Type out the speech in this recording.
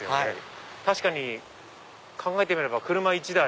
確かに考えてみれば車１台。